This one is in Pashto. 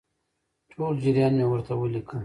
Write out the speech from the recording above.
ټول جریان مې ورته ولیکه.